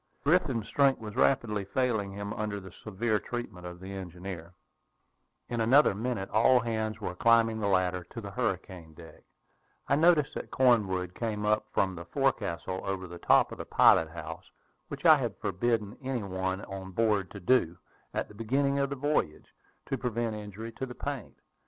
Griffin's strength was rapidly failing him under the severe treatment of the engineer. [Illustration: GRIFFIN LEEDS AT A DISCOUNT. Page 167.] In another minute, all hands were climbing the ladder to the hurricane deck. I noticed that Cornwood came up from the forecastle over the top of the pilot house, which I had forbidden any one on board to do, at the beginning of the voyage, to prevent injury to the paint.